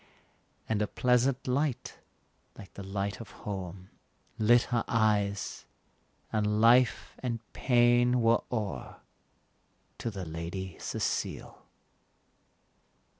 And a pleasant light, like the light of home, Lit her eyes, and life and pain were o'er To the Lady Cecile.